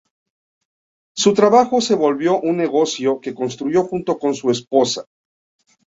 Su trabajo se volvió un negocio que construyó junto con su esposa.